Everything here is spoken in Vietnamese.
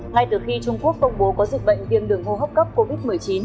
ngay từ khi trung quốc công bố có dịch bệnh tiêm đường hô hốc cấp covid một mươi chín